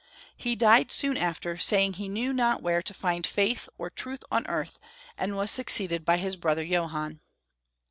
He died soon after, saying he knew not where to find faith or truth on earth, and was succeeded by his brother Johann.